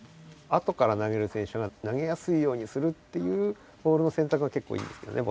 後から投げる選手が投げやすいようにするっていうボールのせんたくが結構いいんですけどね